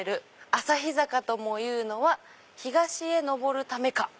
旭坂ともいうのは東へのぼるためか」。